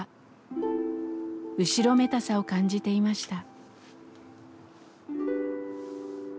後ろめたさを感じていました。